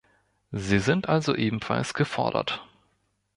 Sie sind also ebenfalls gefordert.